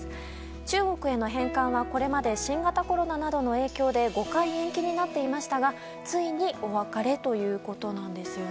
中国への返還はこれまで新型コロナなどの影響で５回延期になっていましたがついにお別れということです。